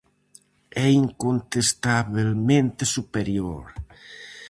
É incontestabelmente superior.